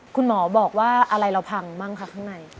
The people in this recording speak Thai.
คุณหมอบอกว่าอะไรเราพังบ้างคะข้างใน